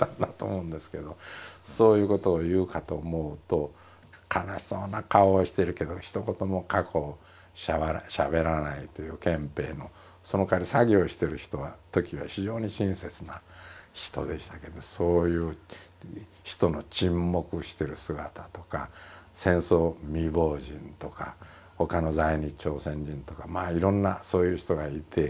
そういうことを言うかと思うと悲しそうな顔をしてるけどひと言も過去をしゃべらないという憲兵のそのかわり作業してるときは非常に親切な人でしたけどそういう人の沈黙してる姿とか戦争未亡人とか他の在日朝鮮人とかまあいろんなそういう人がいて。